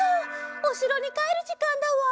おしろにかえるじかんだわ。